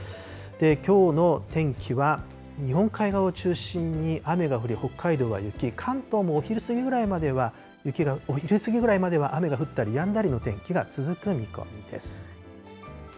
きょうの天気は、日本海側を中心に雨が降る、北海道は雪、関東もお昼過ぎぐらいまでは雨が降ったりやんだりの天気が続く見込みです。